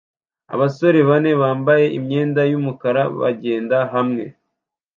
Abasore bane bambaye imyenda yumukara bagenda hamwe